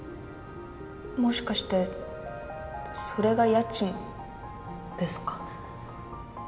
もしかしてそれが家賃ですか？